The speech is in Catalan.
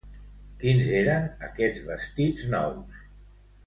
Quins eren aquests vestits nous?